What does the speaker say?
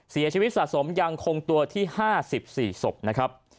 เสียชีวิตสะสมยังคงตัวที่๕๔ศพนะครับ